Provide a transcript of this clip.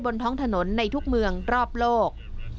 บนท้องถนนในทุกเมืองรอบโลก